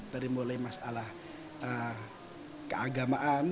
dari mulai masalah keagamaan